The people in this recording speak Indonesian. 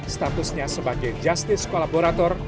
statusnya sebagai justice kolaborator